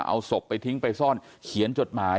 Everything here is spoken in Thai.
เอาศพไปทิ้งไปซ่อนเขียนจดหมาย